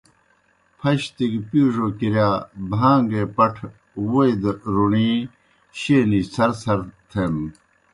پھشتی گہ پِیڙو کِرِیا بھان٘گے پٹھہ ووئی روݨی شینِجیْ څَھرڅَھر تھینَن۔